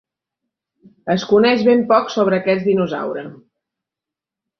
Es coneix ben poc sobre aquest dinosaure.